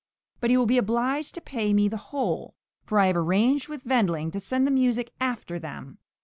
But he will be obliged to pay me the whole, for I have arranged with Wendling to send the music after them.